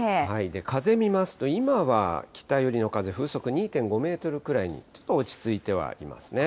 風、見ますと、今は北寄りの風、風速２．５メートルぐらいに、ちょっと落ち着いてはいますね。